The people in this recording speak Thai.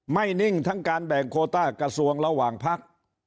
นิ่งทั้งการแบ่งโคต้ากระทรวงระหว่างพัก